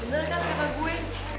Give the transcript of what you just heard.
bener kan kata gue